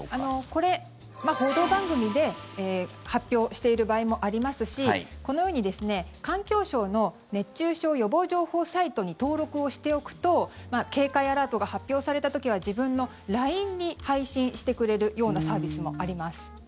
これ、報道番組で発表している場合もありますしこのように環境省の熱中症予防情報サイトに登録をしておくと警戒アラートが発表された時は自分のＬＩＮＥに配信してくれるようなサービスもあります。